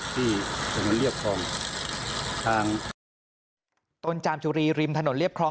ต้นจามจุรีริมถนนเรียบคล่อง